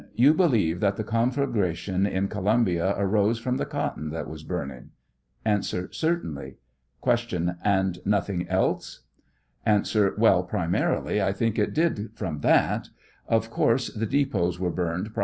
You believe that the conflagration in Columbia arose from the cotton that was burning ? A. Certainly. Q. And nothing else? A. Well, primarily, I think it did from that ; of course the depots were burned pri.